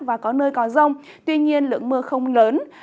và có nơi có rông tuy nhiên lượng mưa không lớn